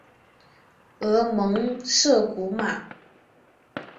而蒙杜古马。